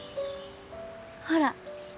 ほら。